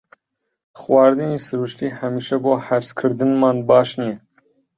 خواردنی سروشتی هەمیشە بۆ هەرسکردنمان باش نییە.